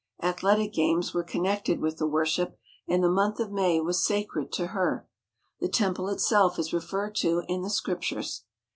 Ath letic games were connected with the worship, and the month of May was sacred to her. The temple itself is referred to in the Scriptures.